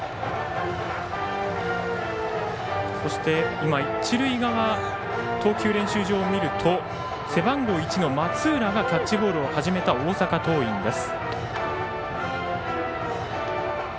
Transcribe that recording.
今、一塁側の投球練習場を見ると背番号１の松浦がキャッチボールを始めた大阪桐蔭です。